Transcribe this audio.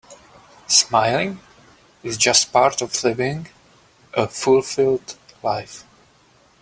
Smiling is just part of living a fulfilled life.